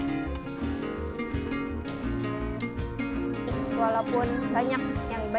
ketika mereka menggunakan alat alat yang berbeda